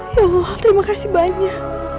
ya allah terima kasih banyak